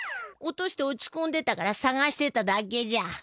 落として落ちこんでたからさがしてただけじゃ。